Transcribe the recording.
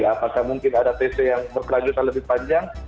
apakah mungkin ada tc yang berkelanjutan lebih panjang